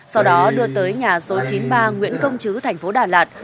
sau đó đưa tới nhà số chín mươi ba nguyễn công chứ thành phố đà lạt